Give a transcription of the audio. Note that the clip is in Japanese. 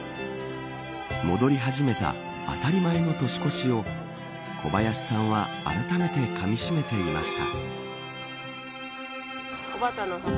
戻り始めた当たり前の年越しを小林さんはあらためてかみしめていました。